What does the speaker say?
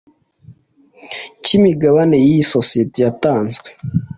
cy imigabane y isosiyete yatanzwe